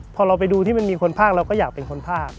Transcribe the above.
พอเราไปดูที่มันมีคนภาคเราก็อยากเป็นคนภาค